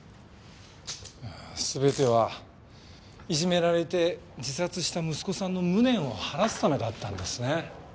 全てはいじめられて自殺した息子さんの無念を晴らすためだったんですね。